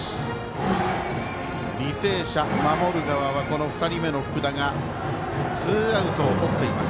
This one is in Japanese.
履正社、守る側は２人目の福田がツーアウトをとっています。